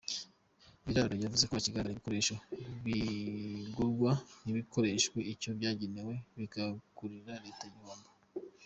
Biraro yavuze ko hakigaragara ibikoresho bigurwa ntibikoreshwe icyo byagenewe bigakurira Leta igihombo.